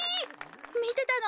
みてたの？